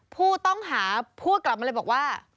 ผู้ต้องหาพูดกลับมาเลยบอกว่า